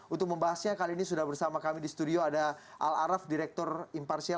untuk membahasnya kali ini sudah bersama kami di studio ada al araf direktur imparsial